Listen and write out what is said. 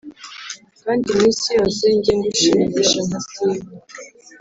Kandi iminsi yose njye ngushimisha ntasiba